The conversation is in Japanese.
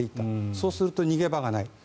そうすると逃げ場がない。